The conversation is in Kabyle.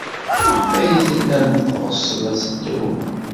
Maɣef ay tellam teɣsem ad teddum?